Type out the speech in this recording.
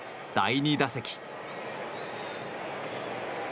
第２打席。